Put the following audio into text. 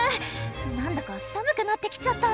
なんだか寒くなってきちゃった。